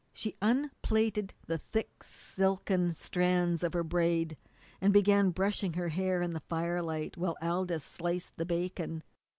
She unplaited the thick silken strands of her braid and began brushing her hair in the firelight, while Aldous sliced the bacon.